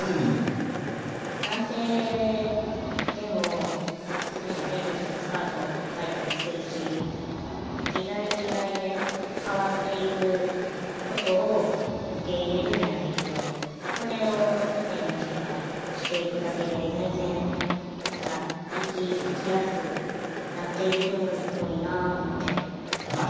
男性でもメークしたりスカートはいたりするし時代時代で変わっていくことを受け入れるじゃないけどそれを世間の人がしていくだけで全然何か生きやすくなっていくのになぁって。